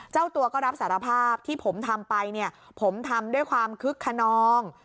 เจ้าตัวก็รับสารภาพที่ผมทำไปเนี่ยผมทำด้วยความคึกขนอง